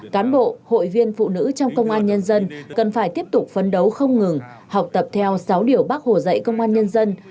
cán bộ hội viên phụ nữ trong công an nhân dân cần phải tiếp tục phấn đấu không ngừng học tập theo sáu điều bác hồ dạy công an nhân dân